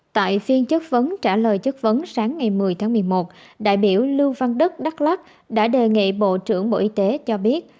tại phiên chất vấn trả lời chất vấn sáng ngày một mươi tháng một mươi một đại biểu lưu văn đức đắk lắc đã đề nghị bộ trưởng bộ y tế cho biết